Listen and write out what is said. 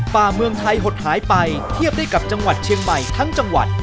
ป่าเมืองไทยหดหายไปเทียบได้กับจังหวัดเชียงใหม่ทั้งจังหวัด